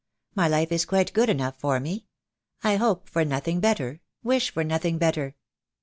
My life is quite good enough for me. I hope for nothing better, wish for nothing better."